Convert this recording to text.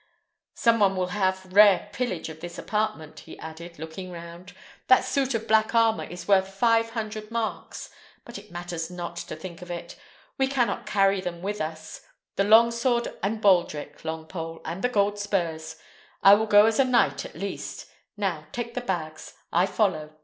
"Some one will have rare pillage of this apartment," he added, looking round. "That suit of black armour is worth five hundred marks; but it matters not to think of it: we cannot carry them with us. The long sword and baldrick, Longpole, and the gold spurs: I will go as a knight, at least. Now, take the bags. I follow.